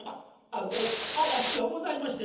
「あの嵐がございまして」。